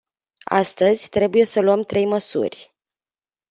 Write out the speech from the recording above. Astăzi, trebuie să luăm trei măsuri.